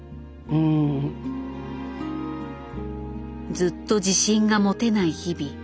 ずっと自信が持てない日々。